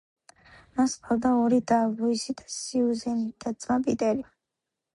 მას ჰყავს ორი და: ლუსი და სიუზენი და ძმა პიტერი.